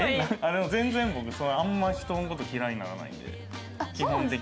でも全然僕あんまり人の事嫌いにならないんで基本的に。